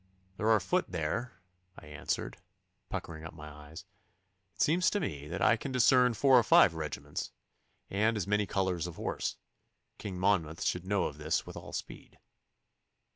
'There are foot there,' I answered, puckering my eyes. 'It seems to me that I can discern four or five regiments and as many colours of horse. King Monmouth should know of this with all speed.